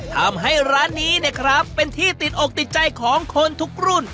ทำให้ร้านนี้เนี่ยครับเป็นที่ติดอกติดใจของคนทุกรุ่น